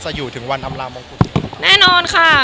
ตันก็ต้องรอยอยากให้ด้วยเองค่ะ